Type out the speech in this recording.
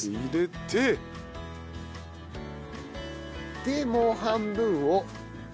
でもう半分を。